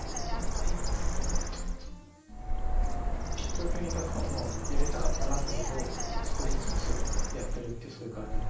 東京にいた頃のやりたかったなっていうことを少しずつやってるってそういう感じです。